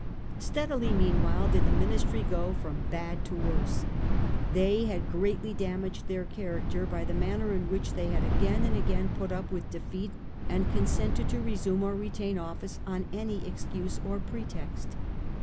Steadily meanwhile did the Ministry go from bad to worse. They had greatly damaged their character by the manner in which they had again and again put up with defeat and consented to resume or retain office on any excuse or pretext.